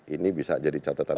ini bisa jadi catatan